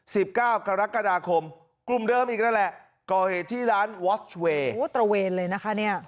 สิบเก้ากรกฎาคมกลุ่มเดิมอีกนั่นแหละก่อเหตุที่ร้านวอคเวย์โอ้ตระเวนเลยนะคะเนี่ย